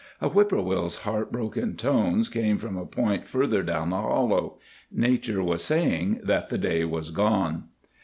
A whip poor will's heart broken tones came from a point further down the hollow. Nature was saying that the day was gone.